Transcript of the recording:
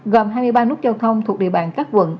gồm hai mươi ba nút giao thông thuộc địa bàn các quận